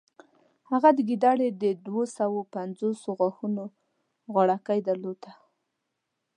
هغه د ګیدړې د دوهسوو پنځوسو غاښونو غاړکۍ درلوده.